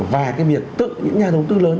và cái biệt tự những nhà đầu tư lớn